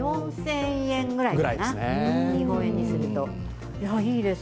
４０００円くらいかな、日本円にすると。